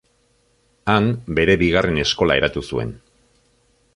Han, bere bigarren eskola eratu zuen.